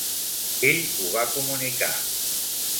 Ell ho va comunicar.